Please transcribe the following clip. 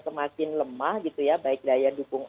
semakin lemah gitu ya baik daya dukung